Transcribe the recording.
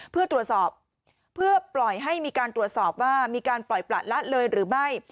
เพื่อตรวจสอบเพื่อปล่อยให้มีการตรวจสอบว่ามีการปล่อยประละเลยหรือไม่